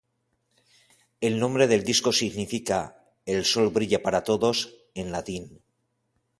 El nombre del disco significa "El sol brilla para todos" en latin.